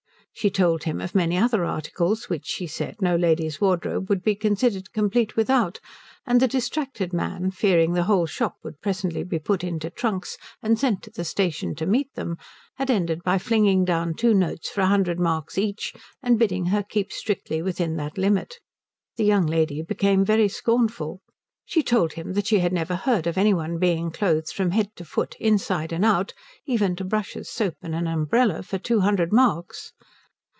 She told him of many other articles which, she said, no lady's wardrobe could be considered complete without; and the distracted man, fearing the whole shop would presently be put into trunks and sent to the station to meet them, had ended by flinging down two notes for a hundred marks each and bidding her keep strictly within that limit. The young lady became very scornful. She told him that she had never heard of any one being clothed from head to foot inside and out, even to brushes, soap, and an umbrella, for two hundred marks.